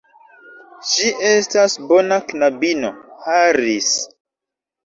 Ŝi estas bona knabino, Harris.